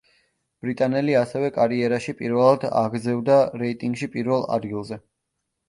ბრიტანელი ასევე კარიერაში პირველად აღზევდა რეიტინგში პირველ ადგილზე.